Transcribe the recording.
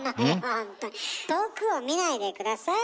遠くを見ないで下さい。